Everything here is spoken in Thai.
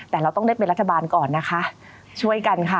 แต่เราต้องได้เป็นรัฐบาลก่อนนะคะช่วยกันค่ะ